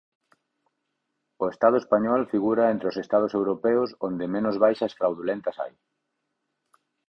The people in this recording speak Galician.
O Estado español figura entre os Estados europeos onde menos baixas fraudulentas hai.